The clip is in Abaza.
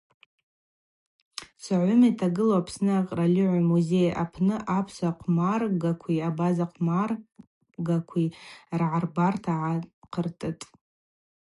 Согъвым йтагылу Апсны акъральыгӏва музей апны апсыуа хъвмаргакви абаза хъвмаргакви ргӏарбарта гӏахъыртӏытӏ.